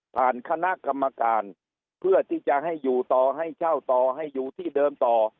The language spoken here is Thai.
คณะกรรมการเพื่อที่จะให้อยู่ต่อให้เช่าต่อให้อยู่ที่เดิมต่อ